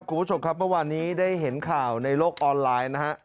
คุณผู้ชมครับเมื่อวานนี้ได้เห็นข่าวในโลกออนไลน์นะฮะ